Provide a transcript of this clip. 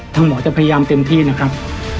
หมอจะพยายามเต็มที่นะครับ